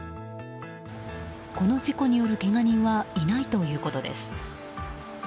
この事故によるけが人はいないということです。